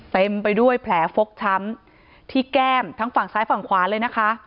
เต็มไปด้วยแผลฟกช้ำที่แก้มทั้งฝั่งซ้ายฝั่งขวาเลยนะคะ